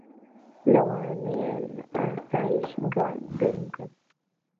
لەوانەیە لە ئاسایشگا دەرمکەن